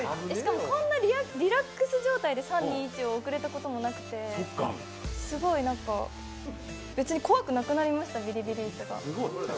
しかも、こんなリラックス状態で３、２、１を送れたこともなくて、すごい、別に怖くなくなりました、ビリビリ椅子が。